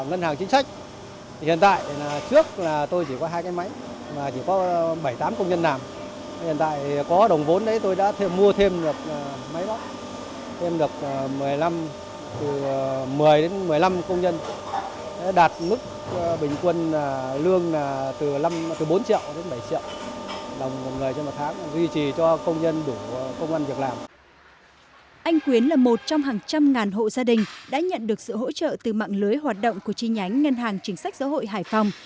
anh quyến là một trong hàng trăm ngàn hộ gia đình đã nhận được sự hỗ trợ từ mạng lưới hoạt động của chi nhánh ngân hàng chính sách giáo hội hải phòng